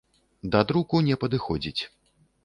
Да друку не падыходзіць.